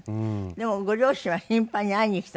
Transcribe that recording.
でもご両親は頻繁に会いにきたんですって？